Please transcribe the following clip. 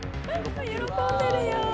喜んでるよ。